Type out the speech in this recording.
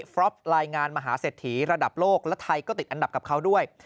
รอปรายงานมหาเศรษฐีระดับโลกและไทยก็ติดอันดับกับเขาด้วย